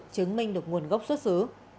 chứng minh được nguồn gốc xuất xứ